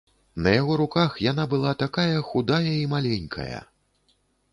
На яго руках яна была такая худая і маленькая!